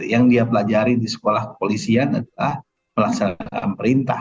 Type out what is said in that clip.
yang dia pelajari di sekolah kepolisian adalah melaksanakan perintah